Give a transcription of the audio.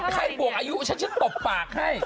ใครบวกอายุฉันจะตบปากให้